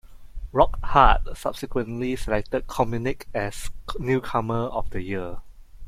"Rock Hard" subsequently selected Communic as Newcomer of the Year.